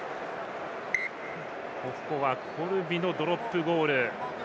ここはコルビのドロップゴール。